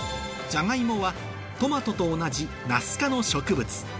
ジャガイモはトマトと同じナス科の植物